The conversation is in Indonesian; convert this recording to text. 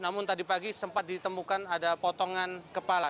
namun tadi pagi sempat ditemukan ada potongan kepala